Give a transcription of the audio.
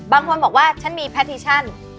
บางคนบอกว่าฉันมีแพทิชั่น